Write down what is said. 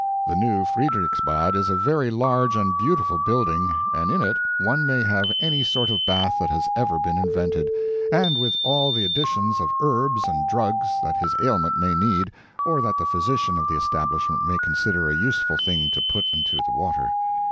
The new Friederichsbad is a very large and beautiful building, and in it one may have any sort of bath that has ever been invented, and with all the additions of herbs and drugs that his ailment may need or that the physician of the establishment may consider a useful thing to put into the water.